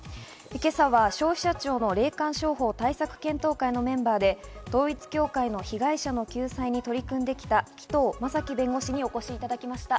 今朝は消費者庁の霊感商法対策検討会のメンバーで、統一教会の被害者の救済に取り組んできた紀藤正樹弁護士にお越しいただきました。